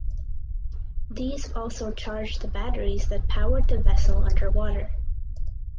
These also charged the batteries that powered the vessel underwater.